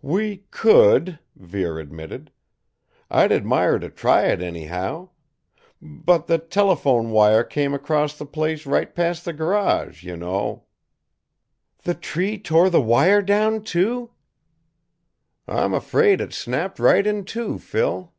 "We could," Vere admitted. "I'd admire to try it, anyhow. But the telephone wire came across the place right past the garage, you know " "The tree tore the wire down, too?" "I'm afraid it snapped right in two, Phil."